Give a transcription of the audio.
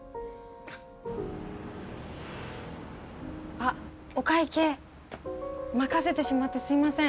あっお会計任せてしまってすみません。